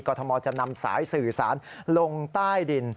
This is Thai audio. ทมจะนำสายสื่อสารลงใต้ดิน